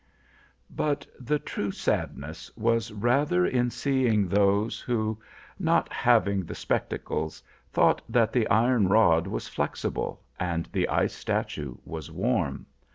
"But the true sadness was rather in seeing those who, not having the spectacles, thought that the iron rod was flexible, and the ice statue warm.